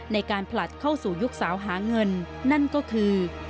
ในการผลัดเข้าสู่ยุคสาวหาเงินนั่นก็คือ